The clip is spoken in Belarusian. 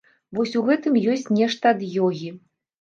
Вось у гэтым ёсць нешта ад ёгі.